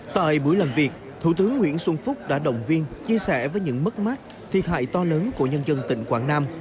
tại buổi làm việc thủ tướng nguyễn xuân phúc đã động viên chia sẻ với những mất mát thiệt hại to lớn của nhân dân tỉnh quảng nam